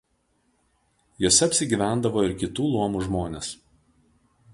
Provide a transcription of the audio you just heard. Jose apsigyvendavo ir kitų luomų žmonės.